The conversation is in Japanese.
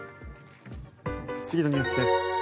次のニュースです。